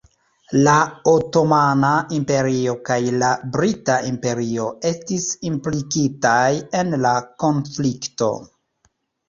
La Otomana Imperio kaj la Brita Imperio estis implikitaj en la konflikto.